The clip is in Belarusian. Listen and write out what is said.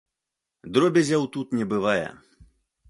Дробязяў тут не бывае.